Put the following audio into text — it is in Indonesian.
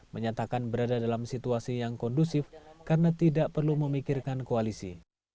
menyatakan berada dalam situasi yang kondusif karena tidak perlu memikirkan koalisi